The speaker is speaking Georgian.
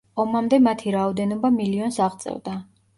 ომამდე მათი რაოდენობა მილიონს აღწევდა.